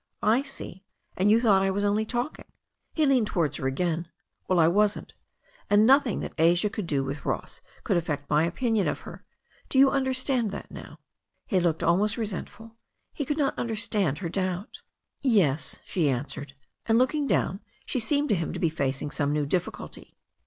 "I see, and you thought I was only talking." He leaned towards her again. "Well, I wasn't. And nothing that Asia could do with Ross could affect my opinion of her. Do you understand that now?" He looked almost resentful. He could not understand her doubt. "Yes," she answered, and looking down, she seemed to him to be facing some new difficulty.